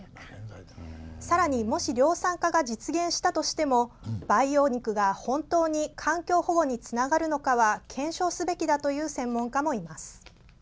さらに、もし量産化が実現したとしても培養肉が本当に環境保護につながるのかは検証すべきだという専門家もいます。